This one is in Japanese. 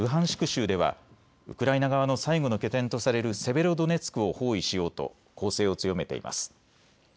州ではウクライナ側の最後の拠点とされるセベロドネツクを包囲しようと攻勢を強めています。